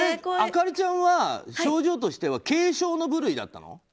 亜香里ちゃんは症状としては軽症の部類だったの？